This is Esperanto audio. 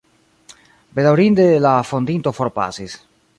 Bedaŭrinde, la fondinto forpasis.